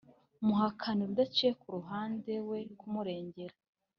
Muhakanire udaciye ku ruhande we kumurerega